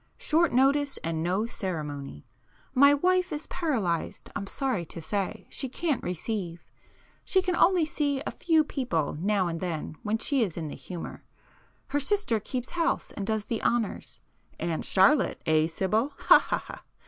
Short notice and no ceremony! My wife is paralysed I'm sorry to say,—she can't receive,—she can only see a few people now and then when she is in the humour,—her sister keeps house and does the honours,—Aunt Charlotte, eh Sibyl?—ha ha ha!